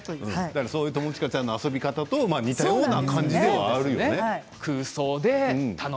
そういう友近ちゃんの遊び方と似たような感じでもあるよね。